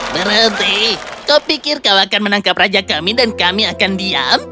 berhenti kau pikir kau akan menangkap raja kami dan kami akan diam